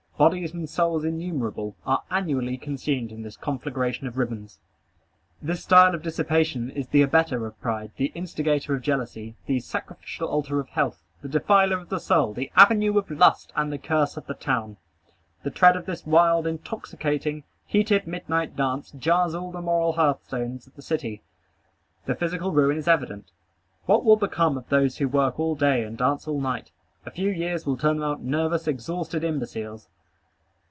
Bodies and souls innumerable are annually consumed in this conflagration of ribbons. This style of dissipation is the abettor of pride, the instigator of jealousy, the sacrificial altar of health, the defiler of the soul, the avenue of lust, and the curse of the town. The tread of this wild, intoxicating, heated midnight dance jars all the moral hearthstones of the city. The physical ruin is evident. What will become of those who work all day and dance all night? A few years will turn them out nervous, exhausted imbeciles.